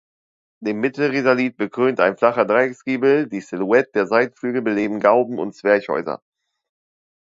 Den Mittelrisalit bekrönt ein flacher Dreiecksgiebel, die Silhouette der Seitenflügel beleben Gauben und Zwerchhäuser.